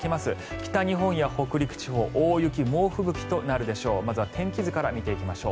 北日本や北陸地方大雪、猛吹雪となるでしょう。